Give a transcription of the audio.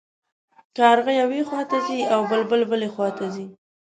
کارغه یوې خوا ته ځي او بلبل بلې خوا ته ځي.